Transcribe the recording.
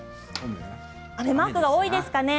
雨マークが多いですかね。